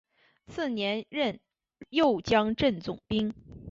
次年任右江镇总兵。